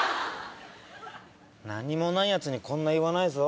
何にもない奴にこんな言わないぞ。